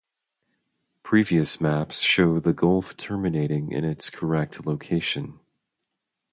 Previous maps show the Gulf terminating in its correct location.